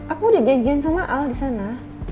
aku udah janjian sama al disana